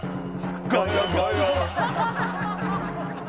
ガヤ！ガヤ！」